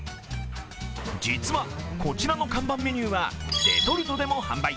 実はこちらの看板メニューはレトルトでも販売。